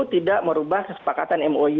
tidak merubah kesepakatan mou